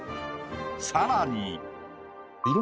さらに。